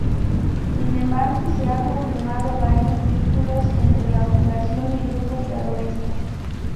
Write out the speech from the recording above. Sin embargo, se ha confirmado varios vínculos entre la fundación y grupos terroristas.